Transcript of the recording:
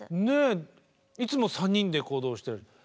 ねえいつも３人で行動してる。